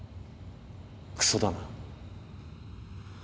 クソだな。